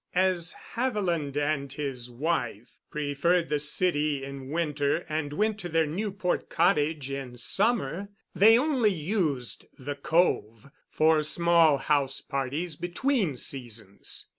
As Haviland and his wife preferred the city in winter and went to their Newport cottage in summer, they only used The Cove for small house parties between seasons.